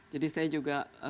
jadi saya juga